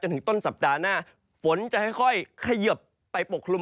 ถึงต้นสัปดาห์หน้าฝนจะค่อยเขยิบไปปกคลุม